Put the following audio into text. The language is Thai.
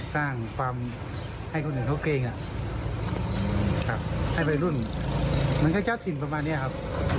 สร้างความให้คนอื่นโทรเกงให้ไปรุ่นมันแค่เจ้าสินประมาณนี้ครับ